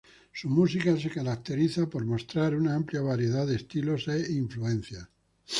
Su música se caracteriza por mostrar una amplia variedad de estilos e influencias.